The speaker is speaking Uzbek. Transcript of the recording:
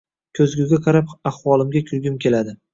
Ko`zguga qarab ahvolimga kulgim keladi